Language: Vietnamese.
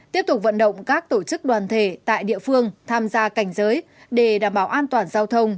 tiếp tục vận động các tổ chức đoàn thể tại địa phương tham gia cảnh giới để đảm bảo an toàn giao thông